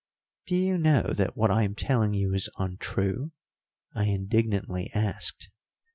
"Do you know that what I am telling you is untrue?" I indignantly asked.